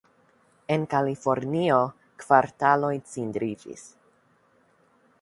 En Kalifornio, kvartaloj cindriĝis.